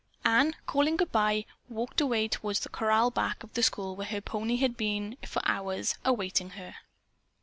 Ann, calling goodbye, walked away toward the corral back of the school where her pony had been for hours awaiting her.